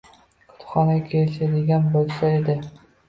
Kutubxonaga kelishadigan boʻlsa edi.